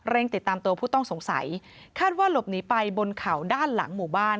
ติดตามตัวผู้ต้องสงสัยคาดว่าหลบหนีไปบนเขาด้านหลังหมู่บ้าน